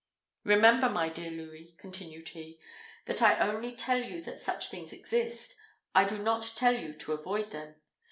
"Remember, my dear Louis," continued he, "that I only tell you that such things exist I do not tell you to avoid them.